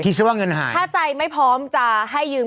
คิดว่าเงินหายถ้าใจไม่พร้อมจะให้ยืม